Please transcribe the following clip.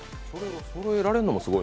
そろえられるのもすごい。